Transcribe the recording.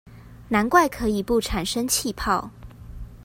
難怪可以不產生氣泡